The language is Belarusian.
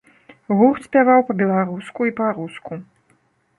Гурт спяваў па-беларуску і па-руску.